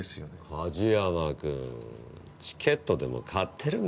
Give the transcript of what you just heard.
梶山くんチケットでも買ってるんですか？